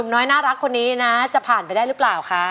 น้อยน่ารักคนนี้นะจะผ่านไปได้หรือเปล่าคะ